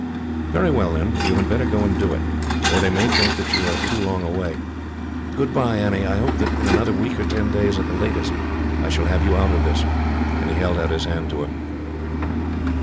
"Very well, then. You had better go and do it, or they may think that you are too long away. "Goodbye, Annie. I hope that in another week, or ten days at the latest, I shall have you out of this;" and he held out his hand to her.